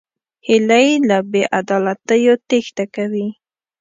هیلۍ له بېعدالتیو تېښته کوي